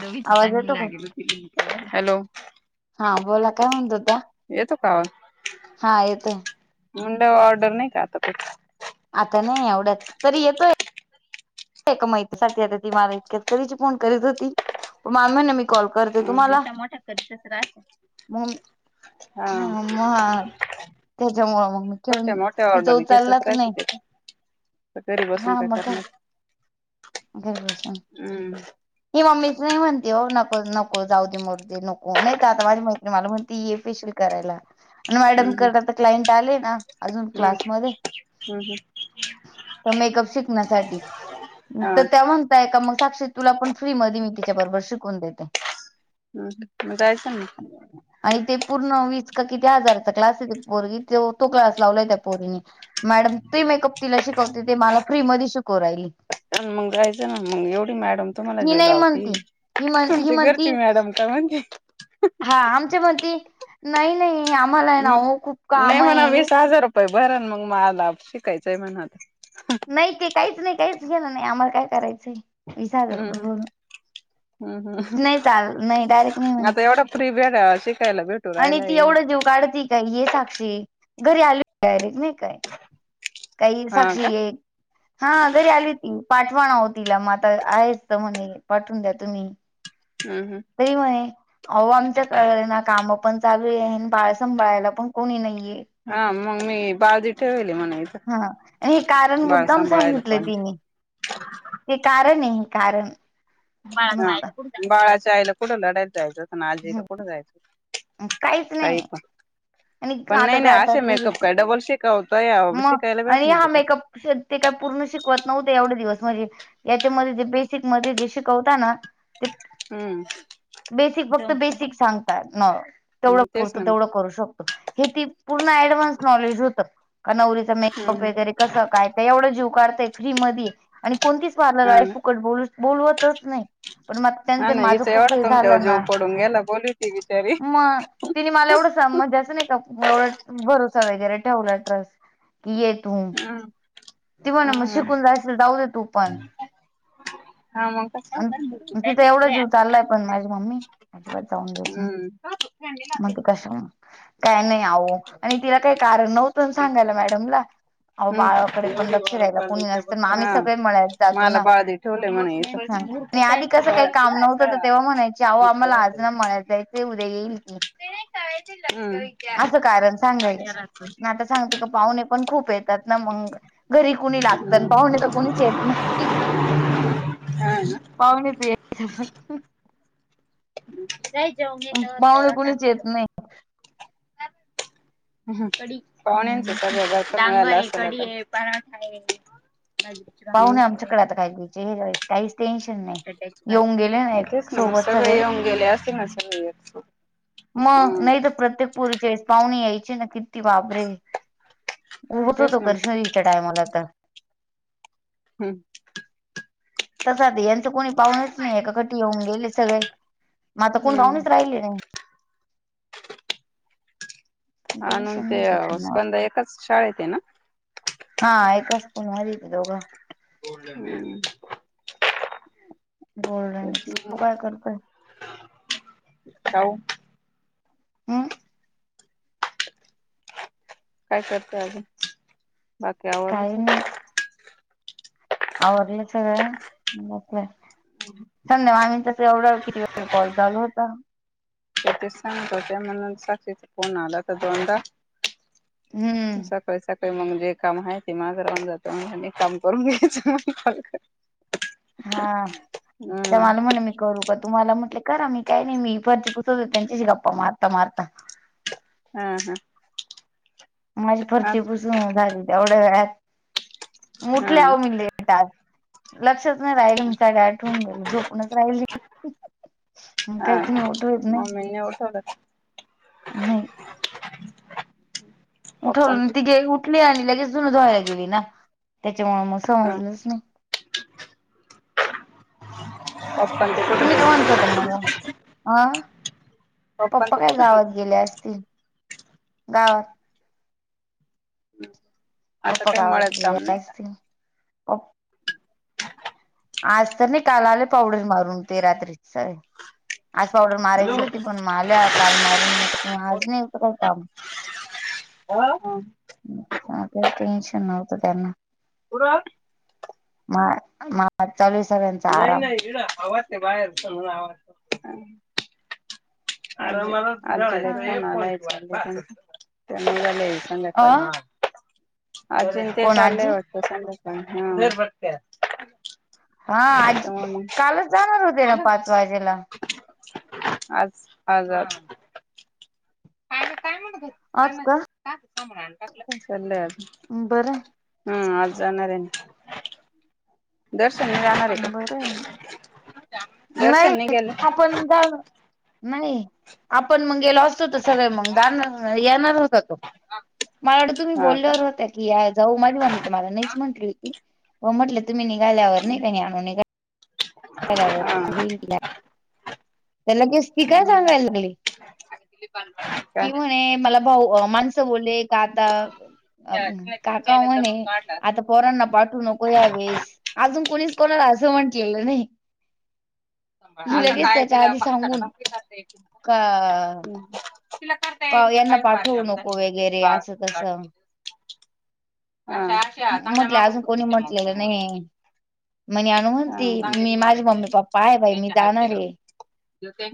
दोघींची आवाज चांगली येतो का? लागेल होती, हॅलो हा बोला काय म्हणतो त्या? येतो का आवाज? हा येतोय. मुंड्या ऑर्डर नाही का तो? आता नाही एवड्या तरी येतोय. एका महिती साठी आता ती मला इतक्यात कधीची फोन करीत होती मा म्हणे मी कॉल करते तुम्हाला छोटा मोठा करीत राहतात. हा मग. त्याच्यामुळं मग मी छोट्या ठेवन मोठ्या ऑर्डर तिथं घेतच उचललाच राहायचं नाही. ते तर घरी बसून काय करणार? घर बसून. हम्म ही मम्मीच नाही म्हणते नको नको जाऊ दे मरूदे नको, नाही तर आता माझी माैत्री मला म्हणते ये फेशियल करायला! आणि मॅडम हम्म क तर क्लायंट आले ना - अजून हम्म क्लास मध्ये हम्म तर मेकअप शिकण्यासाठी - हा तर त्या म्हणताय का मग साक्षी तुला पण फ्री मध्ये मी तिच्या बरोबर शिकवून देते. हम मग जायचा ना! [inaudible] आणि ते पूर्ण वीस का किती हजारचा क्लास आहे पोरी तो क्लास लावलाय त्या पोरीने - मॅडम प्री मेकअप तिला शिकवते ते मला फ्री मध्ये शिकव राहिली! ना मग जायचं ना मग एवढी मॅडम तुम्हाला ही जीव नाही लावती म्हणती. - ही म्हण ही तुमच्या म्हणती घरची मॅडम का म्हणते? हा आमच्या मध्ये नाही नाही आम्हाला आहे ना ओ खूप काम आहे. व्हय बरय न मग मला शिकायचांय म्हणत. नाही ते काहीच नाही काहीच घेलं नाही आम्हाला काय करायचंय. वीस हजार रुपय हम्म भरून हम्म हम्म नाही चाल नाही डायरेक्ट नाही आता म्हणत - एवढा फ्री बॅगा शिकयला बेट - आणि ती एवढं देऊ काढती काय ये साक्षी घरी आल डायरेक्ट नाही काय - काही हा साक्षी का ये - हा घरी आली ती, पाठवाना हो तिला मग आता आहेच म्हणे पाठवून द्या तुम्ही - हम्म हम. [unintelligible] अहो आमच्या क ना काम पण चालू आहे आहे बाळ सांभाळायला पण कोणी नाहीये. हा मग मी बाजी ठेवली म्हणाय- हा हे कारण मुद्दाम सांगितले कोणी तिने. हे कारण आहे हे कारण. नुसतं बाळाच्या आईला कुठं लढायला जायचं होत ना आजीला कुठं जायचं. काहीच काही नाही, पण आणि आता काय आता घरीच हाय. तू शिकवतय अप - मग आणि हा मेकअप ते काय पूर्ण शिकवत नव्हते एवढे दिवस म्हणजे. याच्यामध्ये जे बेसिक मध्ये जे शिकवता ना? ते हम. बेसिक फक्त बेसिक सांगतात न. तेवढं तेच पुरतं ना मग तेवढं करू शकतो हे ती पूर्ण ऍडव्हान्स नॉलेज होतं. का नवरीचं मेकअप हम्म वगैरे कसं काय तर एवढं जिवकारते फ्री मधी - आणि कोणतीच हा वाली ना फुकट बोलू बोलवतच नाही. पण मग हा त्यांचं ना माझं हिचा खूप एवढा वेल तुमच्यावर झालं जीव ना पडून गेला बोलली होती बिचारी मग तिने मला एवढं स म्हजे असं नाही का एवढा भरोसा वगैरे ठेवला ट्रस कि ये तू ह ती म्हण मग ह शिकून जाशील जाऊ दे तू पण हा मग - [inaudible] का तिथं एवढं जीव चाललाय पण माझी मम्मी अजिबात जाऊन देत नाही. हम्म मग ते कशा काय नाही आह आणि तिला काही कारण नव्हतं. मॅडम ला - अह हम्म बाळाकडे पण लक्ष द्यायला कोणी नसत मग आम्ही हा सगळे मळयात जातो मला ना बाळदी ठेवले म्हणे ह - नाही आधी कसं काही काम नव्हतं तर इथं तेव्हा म्हणायचे आहो आम्हाला आज ना मळयात जायच उद्या येईल की लष्करी - असं कारण सांगायचे म आता सांगते का पाहुणे पण खूप आहेत. त्यातंन ना मंग घरी कुणी लागतात पाहुणे तर कोणीच येत नाही. हा पावणे तर येतात - ही जाऊ मे तर पाहुणे कुणीच येत तेवढाचत नाही क पाण्या हम्म काय त लाग कढी ये पराठा आहेज पाह ना आमच्याकडे आता खाय चाळीस तेऐं म्हणच ना मग सगळे येऊन गेले असे मग सगळे येत मग नाही तर प्रत्येक परीचेस पाहुणी यायचे ना किती वाबरे उभत तेच होतो ना हम्म कश्रीच्या टायमाला तर हम् तर साध यांचं कोणी पाहुणेच नाही एका कटी येऊन गेले सगळे मग आता कोणी पाहुूनच हम्म राहिले नाही आणि म्हून टेन्शन ते नाही पक्षांना स्पंद एकाच शाळेत आहे ना हा एककाच पण मारी ते दोघं [inaudible] [unintelligible] गोल्डन ए तू काय करतोय हऊ हम! काय करते अजून बाकी काही आवरालासा नाही - आवरलं सगळं बलं सं आमच - एवढा किती व कॉल चालू होता. ते सांगत होते म्हणे साक्षी चा फोन आला त दोनदा - हम्म सकाळी सकाळी मग जे काम आहे ते माग राहून जातो म्ह काम करून घ्यायचं मग हा हम्म त्यामल मुणी म करू का तुम्हाला म्हटले करा मी काही नाही मी फर्जी पुसवते त्यांच्याशी गप्पा मारता मारता हा हा माझी फर्ची पुसून झाली तेवढ्या वेळत हा मुठल्या आ म लेटात लक्षच नाही राहिल मीच्या ग्या आठवून गेलो झोपूनच राहिल काही खुणी उओठ हो येत नाही म एवढ स नाही पप्पां उठवलं ते ती गे उठली आणि लगेच जुन धवायला गेली ना त्याच्यामु मग हा समजलंच नाही पत तुम्ही काय म्हणतोता मग हा पप्पां पप्पा ते काय कुठे गावात गेले असतील गावात आता पप्पा काही गावात मळ्यात गेले काम नाही का असतील प आज तर नाही काल आले पावडर मारून ते रात्री आज पावडर मारायची होती पण माल्या काल मारून मग तुम आज नाही होतं काय काम ह टेनशनत करणार पुर म म चवीस्यांचा आराम आवा ते बाहेर पला आवडत आराला आ संध्याकाळी अ अजून ते कोण चाललंय आजी वाट. रबघते. हा आजी कालच जाणार होते ना पाच वाजेला आज आजर. का काय म्हणत आज त्यां का टाक. बरं. हम् आज जाणार आहे ना. दर्शनने जाणार आहे बरं मग का [inaudible] दर नाही शनी गेले आपण जा. नाही आपण मग गेलो असतोत सगळे मग गाणार येणार होता तो. मला वा तुम्ही हा का बोलल्यावर होत्या की जाऊ माझी मम्मी त मला नाहीच म्हंटली होती. ओ म्हटले तुम्ही निघाल्यावर नाही, का ज्ञानू हा निघाल्यावर होईल तिला लगेच ती काय हम्म. सांगायला लागली, काय कि म्हणे मला भाऊ अ माणसं बोले का अं आता काका म्हणे आता पोरांना पाठू नको यावेेळेस अजून कोणीच कोणाला असं म्हंटलेलं नाही. ही आता लगेच काय त्याच्या तिला आधी सांगून पाहात का [unintelligible] कि तिला करता का येईन यांना काही पार पाठवू जाम नको झाली वगैरे आता असं तसं [unintelligible] अं [unintelligible] म्हटलं अजून कोणी म्हटलेलं नाहीय, म ज्ञानू म्हणती मी माझे मम्मी पप्पा पाय बाई मी जाणार आहे,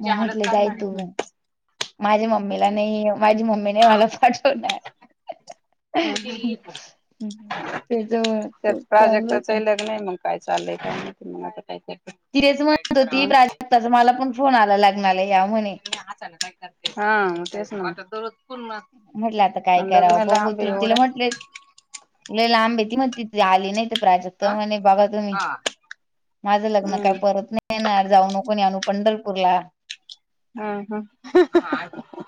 मग म्हटले जाय तू माझ्या मम्मीला नाही, माझी मम्मीने मला पाठवणार. त्याच्या वळ ते चाललंत. नाही मग काय चाललंय का नाही मग आता काय? तिरच म्हणत होती प्राजक्ताचा मला पण फोन आला लागणारला या म्हणे. काय करते हा तेच द. म्हटलं आता काय करावं आहे बघूतृ तिला एवढ्या म्हटले. लई लांब ये ती म्हणती आली नाही तर प्राज म्हणे बघा तुम्ही माझं लग्न काय हम्म. परत नाही. येणार जाऊ नको ज्ञानू पंढरपूर ला. हा हममनसिक [unintelligible]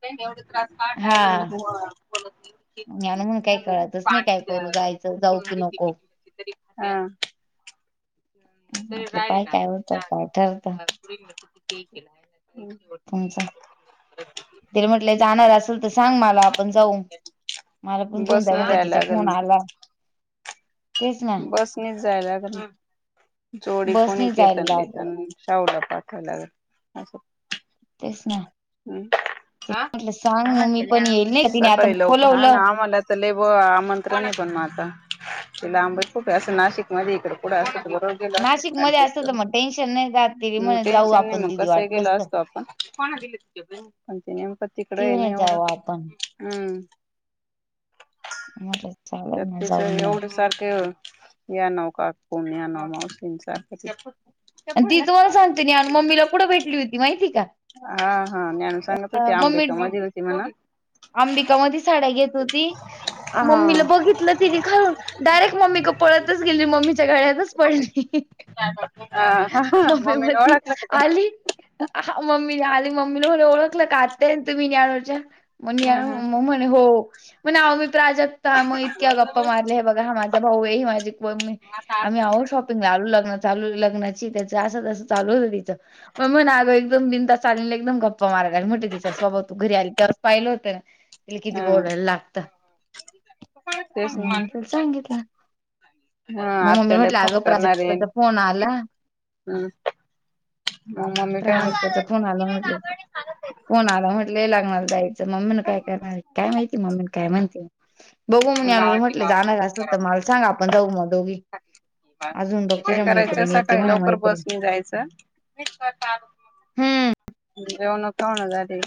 त्यांनी एवढं त्रास काढला [unintelligible] एवढे बोलत नाही. ज्ञानू म्हणं काही कळतच नाही, काय करू जायचं जाऊ की नको. री हा [unintelligible] म्हटलं पाय ती होत काय ठरत. जाण किती केला त्यांचा ते म्हटले जाणार असल, तर सांग मला आपण जाऊ मला पण घेऊन जाय बसनी म्हटलं, जायला तिचा लागेल फोन आला. तेच ना बस नीच जायला लागले जोडी कोणी बसने जायला केतन लागलं बीतन. शाहूला पाठवाया लागेल, असं. तेच ना. अम्म. केतकी सांग ना मी पण येईल, ना तिने आता सकाळी लवकर हा बोलवलं. ना आम्हाला लय बाॅ आमंत्रण पण म आता तिला आंब कुठ असं नाशिक मध्ये इकडे कूड असतं तर बरं. गेलो असतो नाशिक मध्ये ऍडजेस्ट असतं तर करुन, मग टेन्शन नाही राहत तिने मग म्हणे जाऊ टेन्शन नाही आपण मग दिदी कस वाटलंच गेला तर. असतो. आपण कोणाला घेऊन. पण ते नेमक ती तिकडं ना म्हणे एवढं जाऊ आपण हम्म. म्हटलं चालल त्यात ना तिच जाऊ मग. एवढं सारखं याना व काकू याना व मावशी सारखं ती तुम्हाला सांगते ज्ञानू मम्मीला कुठे भेटली होती. माहिती का? हा हा ज्ञानू सांगत होती, मम्मी अंबिका मधी होती म्हणं. अंबिका मधी साड्या घेत होती, हा मम्मीला बघितलं तिनं खालून. डायरेक्ट मम्मी पळतच गेली, मम्मीच्या गळ्यातच पडली. हा हा मम्मी मम्मीने म्हणती ओळखलं का पण आली. हां मम्मी आली मम्मीला म्हणं ओळखलं का आत्याय ना तुम्ही ज्ञानूच्या मग हा हा म्हण म्हणे हो म्हणे आहो मी प्राजक्ता [unintelligible] इतक्या गप्पा मारल्या हे बघा हा माझा भाऊ आहे, ही माझी मम्मी आम्ही आहो शॉपि [unintelligible] लग्न चालू लग्नाची त्या असं तसं चालू होत तिचं. मम्मी म्हणं अगं एकदम बिनधास्त आली न एकदम गप्पा मारया लागली, म्हटलं तिचा स्वभाव तू घरी आली तेव्ह पाहिलं होतं, तिला किती हा. बोलायला लागत. तेच ना. अं त्याला सांगितलं. हा मग मम्मी आत्याला म्हटलं, फोन अगं करणार आहे. प्राजक्ताचा फोन आला. ह ममी काय प्राजक्ताचा फोन आला म्हटलं फोन आला म्हटलंय लागणार त्या मम्मीन काय करणार काय माहिती म्मी काय म्हणते बघू म्हनी म्हटले जाणार असेल तर मला सांगा आपण जाऊ मग दोघी अजून बघ ते काय तुझ्या करायचं मैत्रिणी येते सकाळी म्हणे लवकर मैत्रिणी बस म जायचं जेवन कोण ह झाारी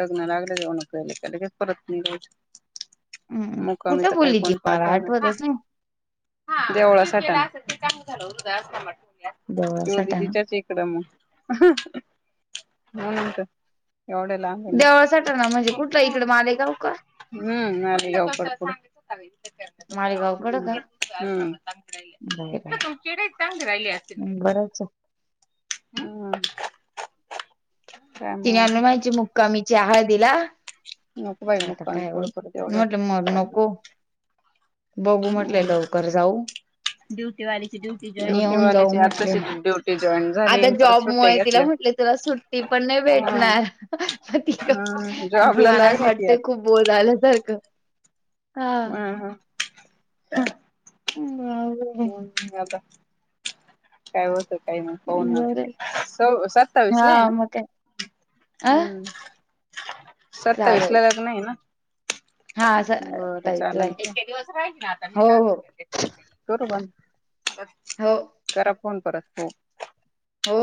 लग्न लागलं जेऊनले का लगेच परत नाही रोज हम्म मुका म कुठं तर काही बोलली ती कोण मला पाठवण आठवतच नाही जवळासाठीदीच्याच देवळा सटाणा कड म का एवढे लांबे देवळा सटाणा म्हणजे ना कुठला इकडे मालेगाव का हम्म आ येऊ [inaudible] मालेगावकडं का बाय बाय तुमची ईड चांगली राहिले असतील. बरंच हम् ति अनून माहिच मुकाा म चहाळ दिला नको बाई आता मुक्कामी काय कुठं परत म्हटलं मग नको एवढ्या बघू म्हटलंय लवकर जाऊ आणि ड्युटी येऊन जाऊ वालीची म्हटले आताशी ड्युटी जॉईन झाली आता परत सुट्ट्या जॉबमुळे तिला घेतल्या. म्हटले तुला सुट ती पण नाही भेटणार त हा ती जॉबला मला असं लागली ती वाटते खूप आता बोत आलं सारखं ह हा हम् हम्म आता काय होत काही मन बर स सत्तावीस ला आहे हा मग काय ना अ हम्म सरत चालेल विसलेलाच नाही ना हा बरं चाल ताईतलाय तीने दिवस राहिल ना आता म हो हो राहणार करू ब हो घरा फोन परत फ हो